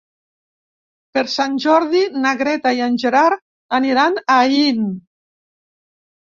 Per Sant Jordi na Greta i en Gerard aniran a Aín.